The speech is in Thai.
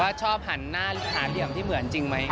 ชอบหันหน้าขาเหลี่ยมที่เหมือนจริงไหม